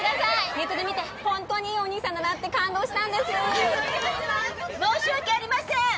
ネットで見てホントにいいお兄さんだなって感動したんです申し訳ありません！